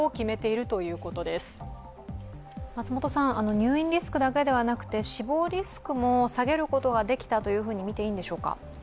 入院リスクだけではなくて、死亡リスクも下げることができたと見ていいんでしょうか？